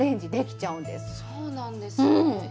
そうなんですね。